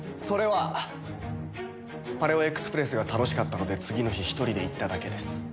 それはパレオエクスプレスが楽しかったので次の日１人で行っただけです。